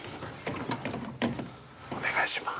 お願いします。